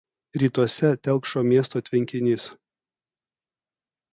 Rytuose telkšo miesto tvenkinys.